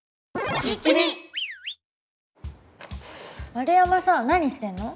円山さん何してんの？